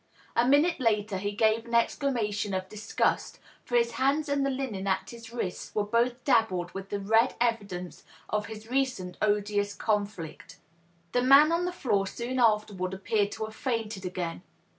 A minute later he gave an exclama tion of disgust, for his hands and the linen at his wrists were both dabbled with the red evidence of his recent odious conflict. The man on the floor soon afterward appeared to have fainted again.